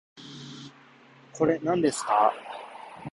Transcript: これ、なんですか